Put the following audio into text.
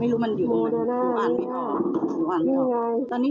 ไม่รู้มันอยู่ยูอ่านไหมครับยูอ่านไหม